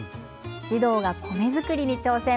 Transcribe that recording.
児童が米作りに挑戦。